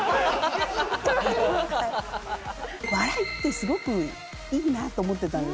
笑いってすごくいいなと思ってたんです